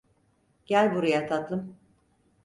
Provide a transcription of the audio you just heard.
Gel buraya tatlım.